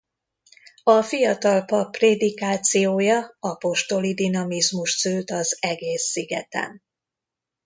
A fiatal pap prédikációja apostoli dinamizmust szült az egész szigeten.